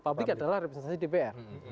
publik adalah representasi dpr